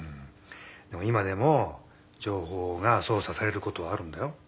でも今でも情報がそう作されることはあるんだよ。